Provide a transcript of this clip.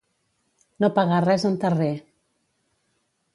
No pegar res en terrer.